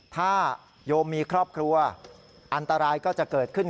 ถ้าโยมมีครอบครัวอันตรายก็จะเกิดขึ้น